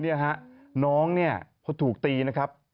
นี่ฮะน้องพอถูกตีนะครับ